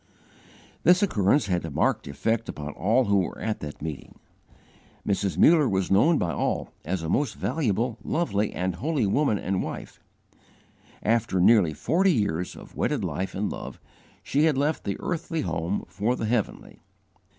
This occurrence had a marked effect upon all who were at that meeting. Mrs. Muller was known by all as a most valuable, lovely, and holy woman and wife. After nearly forty years of wedded life and love, she had left the earthly home for the heavenly.